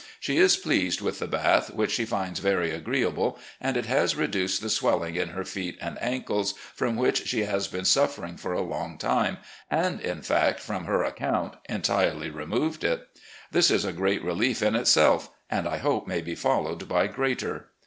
She is pleased with the bath, which she finds very agreeable, and it has reduced the swelling in her feet and ankles, from which she has been suffering for a long time, and, in fact, from her account, entirely removed it. This is a great relief in itself, and, I hope, may be followed by greater.